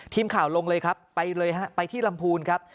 ทีมข่าวลงเลยครับไปเลยฮะไปที่ลำพูนครับ